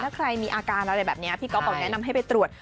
ถ้าใครมีอาการอะไรแบบนี้พี่ก๊อฟบอกแนะนำให้ไปตรวจ